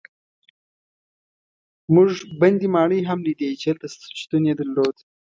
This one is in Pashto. موږ بندي ماڼۍ هم لیدې چې هلته شتون یې درلود.